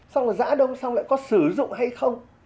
xong là giã đông xong lại có sử dụng hay không